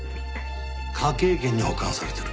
科警研に保管されてる。